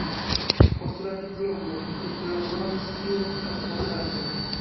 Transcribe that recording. Post la diplomo li eklaboris kiel advokato.